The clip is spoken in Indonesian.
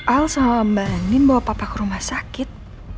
al sama mbak langin bawa papa ke rumah sakit